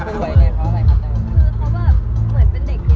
เขาก็ไม่รู้ว่ายังไง